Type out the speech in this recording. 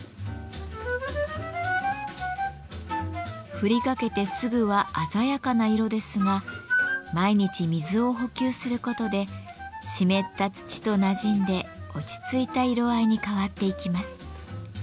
振りかけてすぐは鮮やかな色ですが毎日水を補給することでしめった土となじんで落ち着いた色合いに変わっていきます。